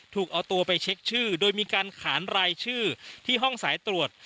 ถูกเอาตัวไปเช็คชื่อโดยมีการขานรายชื่อที่ห้องสายตรวจ